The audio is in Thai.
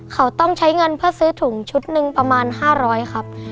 เขาต้องใช้เงินเพื่อซื้อถุงชุดหนึ่งประมาณ๕๐๐ครับ